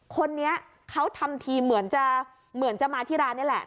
คนนี้เขาทำทีเหมือนจะมาที่ร้านนี่แหละ